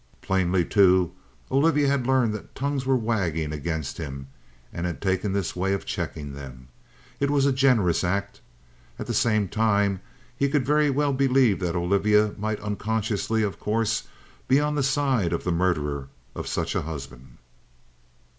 Plainly, too, Olivia had learned that tongues were wagging against him, and had taken this way of checking them. It was a generous act. At the same time, he could very well believe that Olivia might, unconsciously of course, be on the side of the murderer of such a husband.